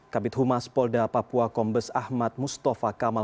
kabit humas polda papua kombes ahmad mustafa kamal